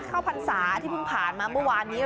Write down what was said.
ข้าวพันษาที่พึ่งผ่านมาเมื่อวานนี้